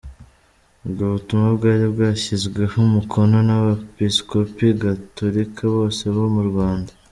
Ubwo butumwa bwari bwashyizweho umukono n’Abepiskopi Gatolika bose bo mu Rwanda.